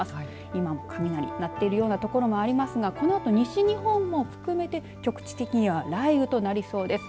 今も雷が鳴っているような所もありますがこのあと西日本も含めて局地的には雷雨となりそうです。